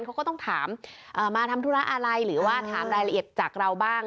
เขาก็ต้องถามมาทำธุระอะไรหรือว่าถามรายละเอียดจากเราบ้าง